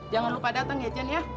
jangan lupa dateng ya jen ya